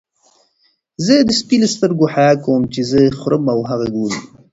زه د سپي له سترګو حیا کوم چې زه خورم او هغه ګوري.